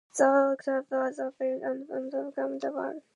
The Atbash Cipher was applied and out of Sheshach came the word Babel.